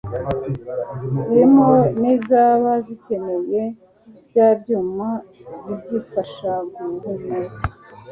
zirimo n'izaba zikeneye bya byuma bizifasha guhumeka.